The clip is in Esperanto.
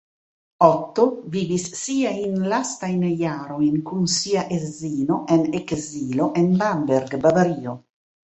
Otto vivis siajn lastajn jarojn kun sia edzino en ekzilo en Bamberg, Bavario.